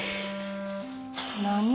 何？